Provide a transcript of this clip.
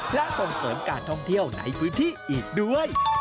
และส่งเสริมการท่องเที่ยวในพื้นที่อีกด้วย